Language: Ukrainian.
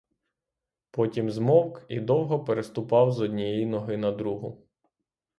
Потім змовк і довго переступав з однієї ноги на другу.